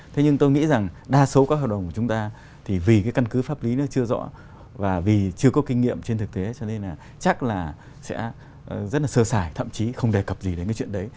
thế nhưng tôi nghĩ rằng đa số các hợp đồng của chúng ta thì vì cái căn cứ pháp lý nó chưa rõ và vì chưa có kinh nghiệm trên thực tế cho nên là chắc là sẽ rất là sơ xài thậm chí không đề cập gì đến cái chuyện đấy